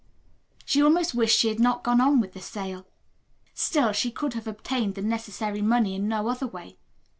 She almost wished she had not gone on with the sale. Still she could have obtained the necessary money in no other way.